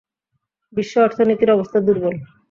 বিশ্ব অর্থনীতির অবস্থা দুর্বল।